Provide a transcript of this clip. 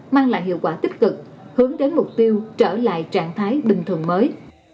mang lại hiệu quả tích cực hướng đến mục tiêu trở lại trạng thái bình thường mới